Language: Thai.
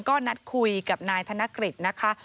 ก็นัดคุยกับนายธนกฤษนะคะ